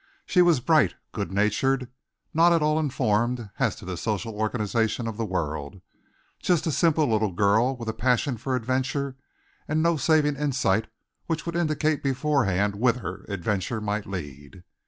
She was bright, good natured, not at all informed as to the social organization of the world, just a simple little girl with a passion for adventure and no saving insight which would indicate beforehand whither adventure might lead.